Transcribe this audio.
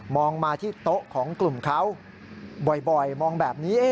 มาที่โต๊ะของกลุ่มเขาบ่อยมองแบบนี้